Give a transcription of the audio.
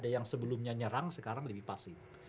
yang sebelumnya nyerang sekarang lebih pasif